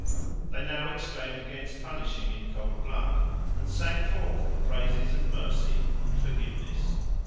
They now exclaimed against punishing in cold blood, and sang forth the praises of mercy and forgiveness.